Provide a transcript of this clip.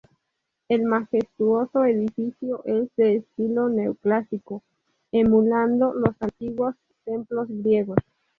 El majestuoso edificio es de estilo neoclásico, emulando los antiguos templos griegos.